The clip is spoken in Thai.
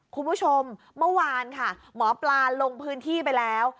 คุณผู้ชมเมื่อวานค่ะหมอปลาลงพื้นที่ไปแล้ว